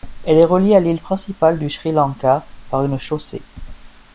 Elle est reliée à l'île principale du Sri Lanka par une chaussée.